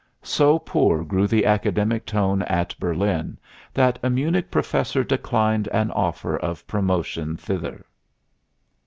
So poor grew the academic tone at Berlin that a Munich professor declined an offer of promotion thither.